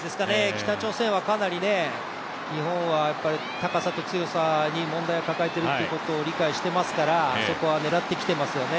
北朝鮮はかなり、日本は高さと強さに問題を抱えているということを理解していますから、そこは狙ってきていますよね。